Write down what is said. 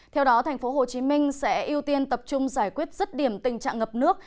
theo đó tp hcm sẽ ưu tiên tập trung giải quyết rứt điểm tình trạng ngập nước